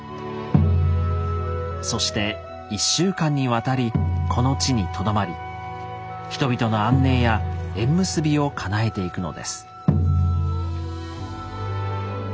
そして１週間にわたりこの地にとどまり人々の安寧や縁結びをかなえていくのです。